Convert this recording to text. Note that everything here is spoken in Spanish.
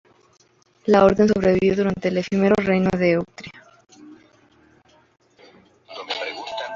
La orden sobrevivió durante el efímero Reino de Etruria.